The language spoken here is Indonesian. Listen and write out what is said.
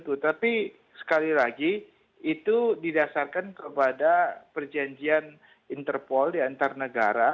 tetapi sekali lagi itu didasarkan kepada perjanjian interpol di antar negara